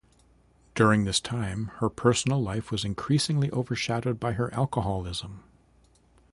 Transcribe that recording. During this time, her personal life was increasingly overshadowed by her alcoholism.